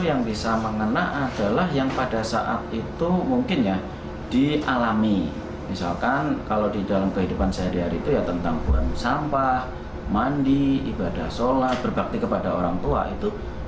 dalam setiap aksinya di panggung anak anak selalu antusias melihat aksi kak slem yang biasanya berlangsung tak lebih dari empat puluh lima menit